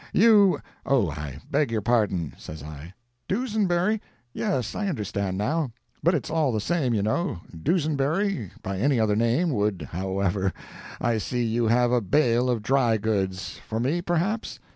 —you—" "Oh, I beg your pardon," says I; "Dusenberry—yes, I understand, now; but it's all the same, you know—Dusenberry, by any other name would—however, I see you have a bale of dry goods—for me, perhaps."